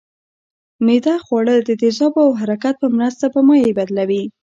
معده خواړه د تیزابو او حرکت په مرسته په مایع بدلوي